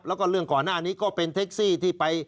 แล้วก็เรื่องก่อนหน้านี้ก็เป็นเท็กซี่ที่ไป